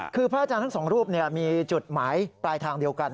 คือพระอาจารย์ทั้งสองรูปมีจุดหมายปลายทางเดียวกัน